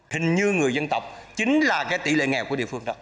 hình như người dân tộc chính là cái tỷ lệ nghèo của địa phương đó